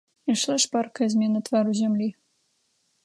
Ішла шпаркая змена твару зямлі.